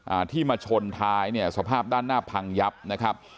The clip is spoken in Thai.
อ่าที่มาชนท้ายเนี่ยสภาพด้านหน้าพังยับนะครับ